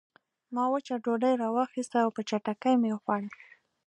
ما وچه ډوډۍ راواخیسته او په چټکۍ مې وخوړه